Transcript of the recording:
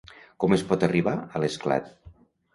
Com es pot arribar a l'Esclat?